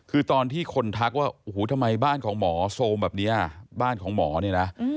คือตอนที่คนทักว่าโอ้โหทำไมบ้านของหมอโซมแบบนี้บ้านของหมอเนี่ยนะ